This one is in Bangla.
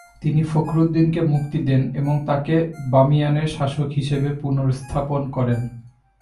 তিনি ফখরউদ্দিনকে মুক্তি দেন এবং তাকে বামিয়ানের শাসক হিসেবে পুনস্থাপন করেন।